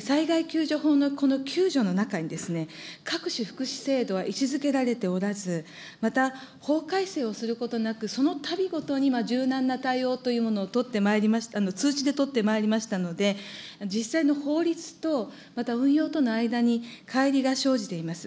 災害救助法の救助の中に、各種福祉制度は位置づけられておらず、また、法改正をすることなく、そのたびごとに柔軟な対応というものを取ってまいりました、通知で取ってまいりましたので、実際の法律とまた運用との間にかい離が生じております。